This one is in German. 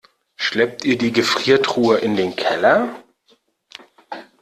Schleppt ihr die Gefriertruhe in den Keller?